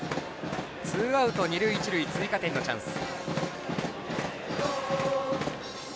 ツーアウト、二塁一塁追加点のチャンス。